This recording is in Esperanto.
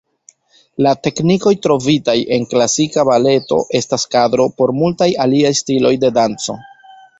La teknikoj trovitaj en klasika baleto estas kadro por multaj aliaj stiloj de danco.